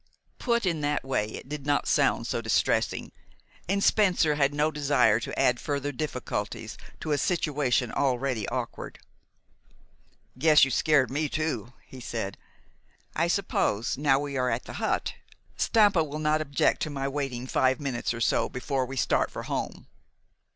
Put in that way, it did not sound so distressing. And Spencer had no desire to add further difficulties to a situation already awkward. "Guess you scared me too," he said. "I suppose, now we are at the hut, Stampa will not object to my waiting five minutes or so before we start for home."